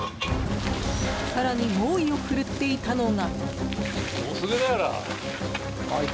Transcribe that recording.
更に猛威を振るっていたのが。